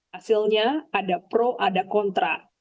hasilnya ada pro ada kontra